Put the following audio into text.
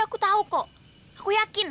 aku tahu kok aku yakin